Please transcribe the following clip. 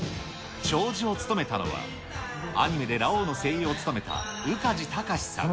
弔辞を務めたのは、アニメでラオウの声優を務めた宇梶剛士さん。